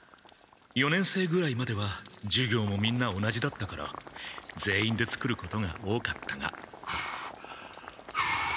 四年生ぐらいまでは授業もみんな同じだったから全員で作ることが多かったがフフ。